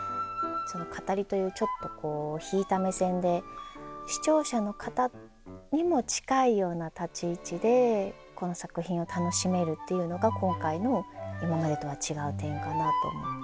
語りというちょっとこう引いた目線で視聴者の方にも近いような立ち位置でこの作品を楽しめるっていうのが今回の今までとは違う点かなと思って。